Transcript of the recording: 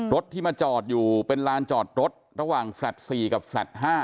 รถที่มาจอดอยู่เป็นลานจอดรถระหว่างแฟลต์๔กับแฟลต์๕